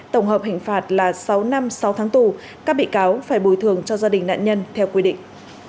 tổng hợp hình phạt là sáu năm sáu tháng tù các bị cáo phải bồi thường cho gia đình nạn nhân theo quy định